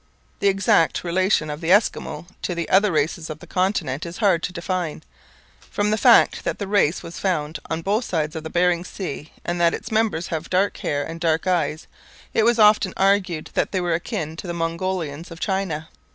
The exact relation of the Eskimo to the other races of the continent is hard to define. From the fact that the race was found on both sides of the Bering Sea, and that its members have dark hair and dark eyes, it was often argued that they were akin to the Mongolians of China.